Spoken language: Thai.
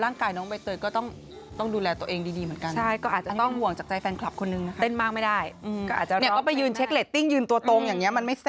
น้องกายน้องใบเตยก็ต้องดูแลตัวเองดีเหมือนกัน